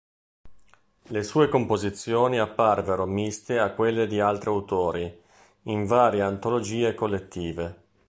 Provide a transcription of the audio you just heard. Le sue composizioni apparvero, miste a quelle di altri autori, in varie antologie collettive.